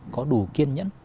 có đủ kiên nhẫn